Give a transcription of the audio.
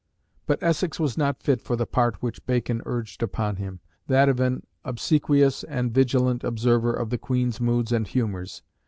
But Essex was not fit for the part which Bacon urged upon him, that of an obsequious and vigilant observer of the Queen's moods and humours.